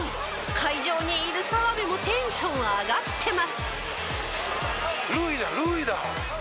会場にいる澤部もテンション上がってます！